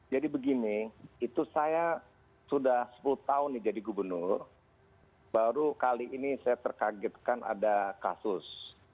jadi begini itu saya sudah sepuluh tahun jadi gubernur baru kali ini saya terkagetkan ada kasus